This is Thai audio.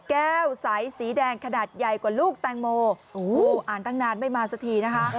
ใสสีแดงขนาดใหญ่กว่าลูกแตงโมอ่านตั้งนานไม่มาสักทีนะคะ